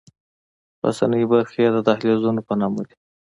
پاسنۍ برخې یې د دهلیزونو په نامه دي.